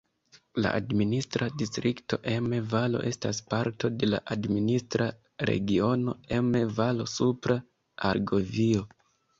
La administra distrikto Emme-Valo estas parto de la administra regiono Emme-Valo-Supra Argovio.